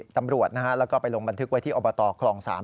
ตำรวจแล้วก็ไปลงบันทึกไว้ที่อบตคลอง๓